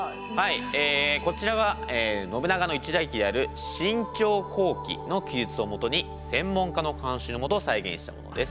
こちらは信長の一代記である「信長公記」の記述をもとに専門家の監修の下再現したものです。